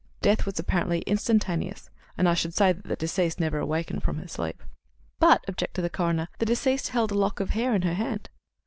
Death was apparently instantaneous, and I should say that the deceased never awakened from her sleep." "But," objected the coroner, "the deceased held a lock of hair in her hand."